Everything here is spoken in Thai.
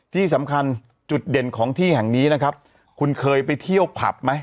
ที่สำคัญจุดเด่นของที่แห่งนี้นะครับคุณเคยไปเที่ยวผับไหม